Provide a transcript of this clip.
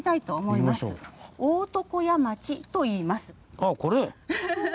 あっこれ。